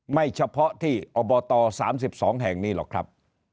ไม่เฉพาะที่อบต๓๒แห่งนี้หรอกครับ